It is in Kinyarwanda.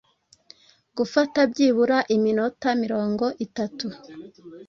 Gufata byibura iminota mirongo itatu